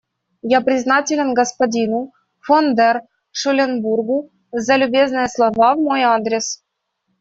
Я признателен господину фон дер Шуленбургу за любезные слова в мой адрес.